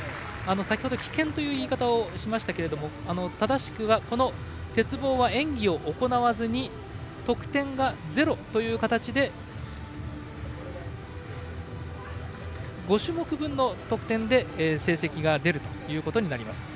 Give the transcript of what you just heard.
先ほど棄権という言い方をしましたが正しくは鉄棒は演技を行わずに得点がゼロという形で５種目分の得点で成績が出ることになります。